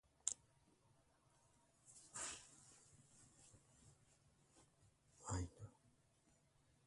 Their nine orphaned children were raised by the family's friends.